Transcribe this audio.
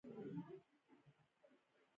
مېلمه ته د کور لورینه ښکاره کړه.